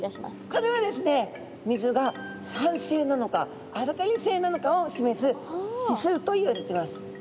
これはですね水が酸性なのかアルカリ性なのかを示す指数といわれてます。